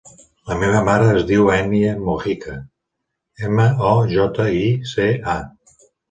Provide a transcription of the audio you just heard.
La meva mare es diu Ènia Mojica: ema, o, jota, i, ce, a.